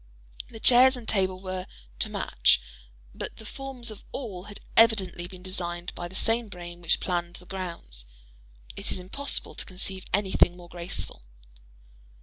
The chairs and table were "to match," but the forms of all had evidently been designed by the same brain which planned "the grounds;" it is impossible to conceive anything more graceful.